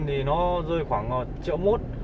thì nó rơi khoảng triệu mút